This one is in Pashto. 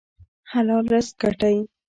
حلال رزق ګټئ